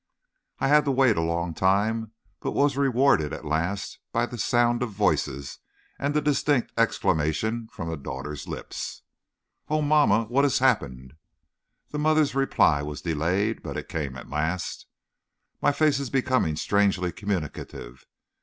I had to wait a long time, but was rewarded at last by the sound of voices and the distinct exclamation from the daughter's lips: "Oh, mamma! what has happened?" The mother's reply was delayed, but it came at last: "My face is becoming strangely communicative.